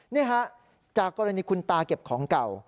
นี่ฮะจากกรณีคุณตาเก็บของเก่า